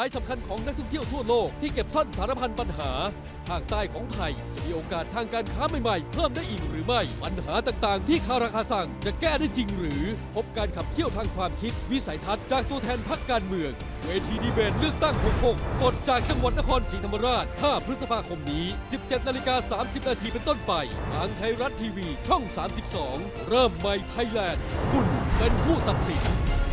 ทางไทยรัดทีวีช่องสามสิบสองเริ่มใหม่ไทยแลนด์คุณเป็นผู้ตัดสิน